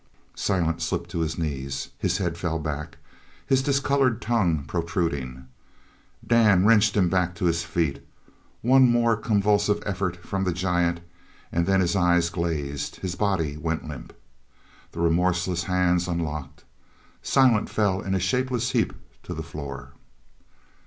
Silent slipped to his knees. His head fell back, his discoloured tongue protruding. Dan wrenched him back to his feet. One more convulsive effort from the giant, and then his eyes glazed, his body went limp. The remorseless hands unlocked. Silent fell in a shapeless heap to the floor.